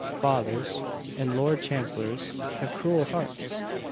Fathers, and Lord Chancellors, have cruel hearts!